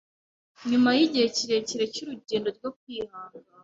nyuma y’igihe kirekire cy’urugendo rwo kwihangana